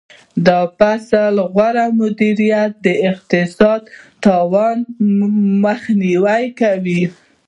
د فصل غوره مدیریت د اقتصادي تاوان مخنیوی کوي.